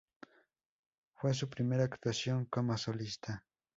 Fue su primera actuación como solista.